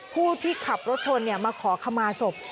ผู้ที่ขับรถชนมาขอขมาศพ